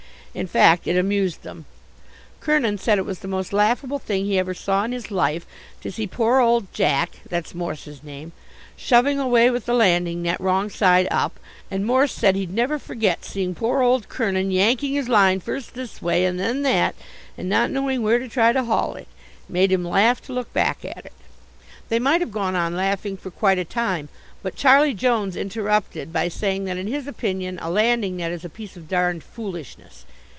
In fact it amused them. Kernin said it was the most laughable thing he ever saw in his life to see poor old Jack that's Morse's name shoving away with the landing net wrong side up. And Morse said he'd never forget seeing poor old Kernin yanking his line first this way and then that and not knowing where to try to haul it. It made him laugh to look back at it. They might have gone on laughing for quite a time, but Charlie Jones interrupted by saying that in his opinion a landing net is a piece of darned foolishness.